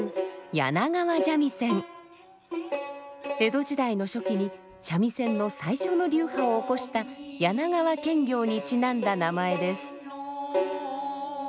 江戸時代の初期に三味線の最初の流派を興した柳川検校にちなんだ名前です。